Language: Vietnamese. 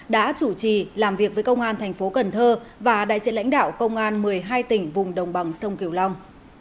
đã chủ trì làm việc với công an thành phố cần thơ và đại diện lãnh đạo công an một mươi hai tỉnh vùng đồng bằng sông kiều long